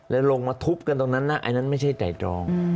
แล้วลงมาทุบกันตรงนั้นนะอันนั้นไม่ใช่ไตรตรอง